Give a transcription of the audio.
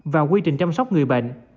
và quy trình chăm sóc người bệnh